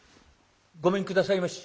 ごめんくださいまし。